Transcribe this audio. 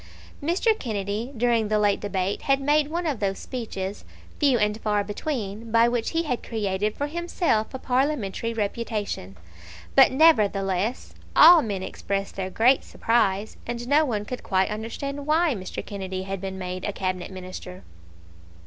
Mr. Kennedy during the late debate had made one of those speeches, few and far between, by which he had created for himself a Parliamentary reputation; but, nevertheless, all men expressed their great surprise, and no one could quite understand why Mr. Kennedy had been made a Cabinet Minister.